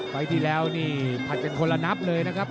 ไฟล์ที่แล้วนี่ผัดกันคนละนับเลยนะครับ